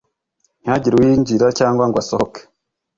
ntihagire uwinjira cyangwa ngo asohoke